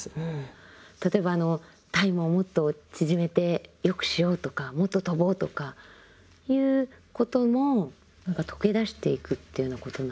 例えばあのタイムをもっと縮めて良くしようとかもっと跳ぼうとかいうことも何か溶け出していくというようなことなんですか？